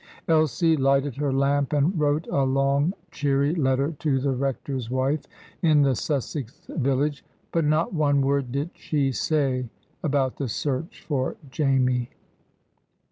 Elsie lighted her lamp, and wrote a long, cheery letter to the rector's wife in the Sussex village; but not one word did she say about the search for Jamie.